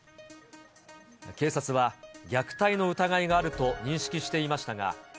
警察は虐待の疑いがあると認識していましたが。